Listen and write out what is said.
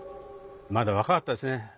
まだ若かったですね。